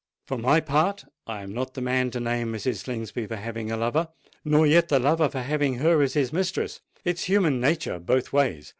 For my part, I am not the man to blame Mrs. Slingsby for having a lover—nor yet the lover for having her as his mistress: it's human nature both ways.